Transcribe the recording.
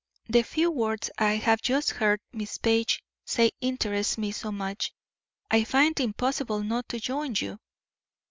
"The few words I have just heard Miss Page say interest me so much, I find it impossible not to join you."